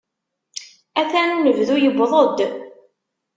Atan unebdu yewweḍ-d.